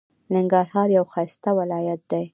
ننګرهار یو ښایسته ولایت دی.